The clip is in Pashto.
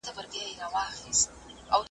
شاعر: خلیل جبران ,